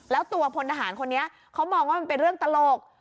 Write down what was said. แล้วตัวพลทหารคนนี้เขามองว่ามันเป็นเรื่องตลก